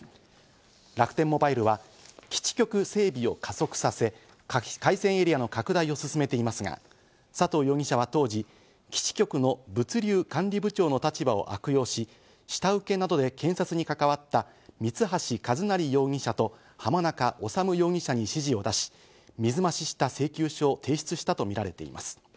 楽天モバイルは、基地局整備を加速させ、回線エリアの拡大を進めていますが、佐藤容疑者は当時、基地局の物流管理部長の立場を悪用し、下請けなどで建設に関わった三橋一成容疑者と、浜中治容疑者に指示を出し、水増しした請求書を提出したとみられています。